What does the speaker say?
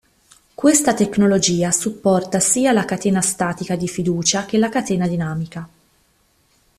Questa tecnologia supporta sia la catena statica di fiducia che la catena dinamica.